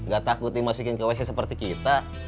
gak takut dimasukin ke wc seperti kita